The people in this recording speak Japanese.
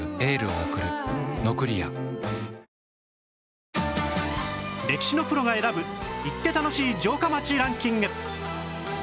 続く歴史のプロが選ぶ行って楽しい城下町ランキング